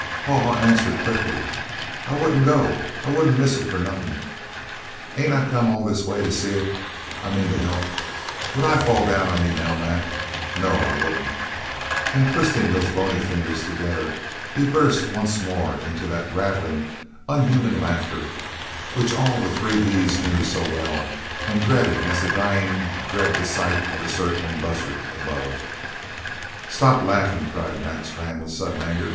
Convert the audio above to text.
Haw Haw answered quickly: "I wouldn't go I wouldn't miss it for nothin'. Ain't I come all this way to see it I mean to help? Would I fall down on you now, Mac? No, I wouldn't!" And twisting those bony fingers together he burst once more into that rattling, unhuman laughter which all the Three B's knew so well and dreaded as the dying dread the sight of the circling buzzard above. "Stop laughin'!" cried Mac Strann with sudden anger.